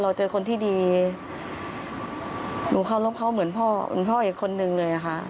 เจอคนที่ดีหนูเคารพเขาเหมือนพ่อคุณพ่ออีกคนนึงเลยค่ะ